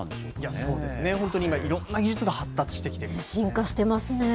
そうですね、本当に今、いろんな技術が発達してきていますね。